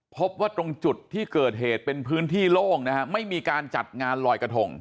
พบว่าตรงจุดที่เกิดเหตุเป็นพื้นที่โล่งนะฮะไม่มีการจัดงานลอยกระทง